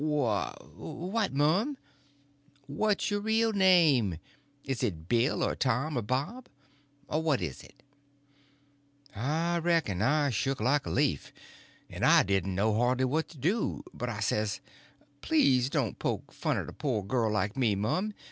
"Wh—what, mum?" "What's your real name? Is it Bill, or Tom, or Bob?—or what is it?" I reckon I shook like a leaf, and I didn't know hardly what to do. But I says: "Please to don't poke fun at a poor girl like me, mum.